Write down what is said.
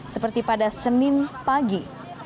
seperti pada senin pagi